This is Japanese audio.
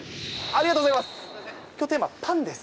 ありがとうございます。